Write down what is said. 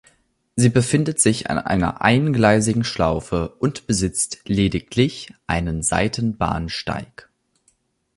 Sie befindet sich an einer eingleisigen Schlaufe und besitzt lediglich einen Seitenbahnsteig.